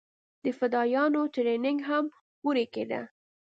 د فدايانو ټرېننگ هم هورې کېده.